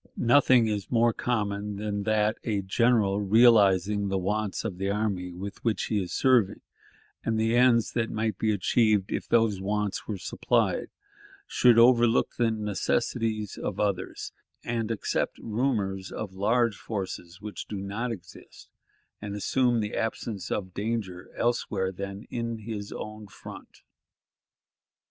Nothing is more common than that a general, realizing the wants of the army with which he is serving, and the ends that might be achieved if those wants were supplied, should overlook the necessities of others, and accept rumors of large forces which do not exist, and assume the absence of danger elsewhere than in his own front.